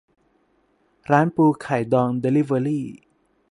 ร้านปูไข่ดองเดลิเวอรี่